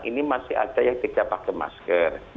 ini masih ada yang tidak pakai masker